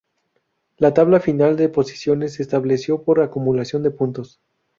La tabla final de posiciones se estableció por acumulación de puntos.